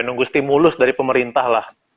nunggu stimulus dari pemerintah lah